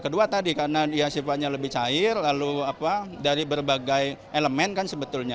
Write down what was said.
kedua tadi karena dia sifatnya lebih cair lalu apa dari berbagai elemen kan sebetulnya